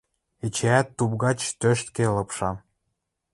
Эчеӓт туп гач тьоштке лыпша.